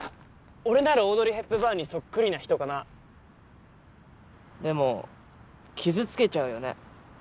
俺ならオードリー・ヘプバーンにそっくりな人かなでも傷つけちゃうよね